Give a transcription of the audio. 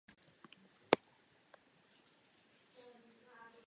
Soudce ho posílá do psychiatrické léčebny.